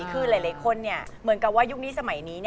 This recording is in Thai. คือหลายคนคือหยุดที่สมัยนี้